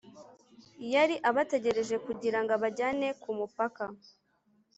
yari abategerereje kugira ngo abajyane ku mupaka